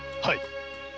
はい。